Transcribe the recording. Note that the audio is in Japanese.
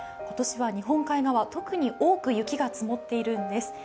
今年は日本海側、特に多く雪が積もっているんです。